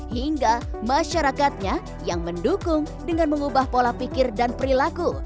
hingga masyarakatnya yang mendukung dengan mengubah pola pikir dan perilaku